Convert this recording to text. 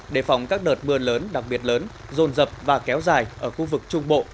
đề phòng các đợt mưa lớn đặc biệt lớn rồn rập và kéo dài ở khu vực trung bộ